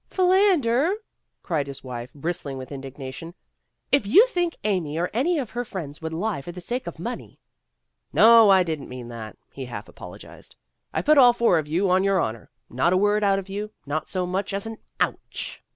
'' "Philander," cried his wife, bristling with indignation, "If you think Amy or any of her friends would lie for the sake of money " "No, I didn't mean that," he half apologized. "I put all four of you on your honor. Not a word out of you, not so much as an ouch."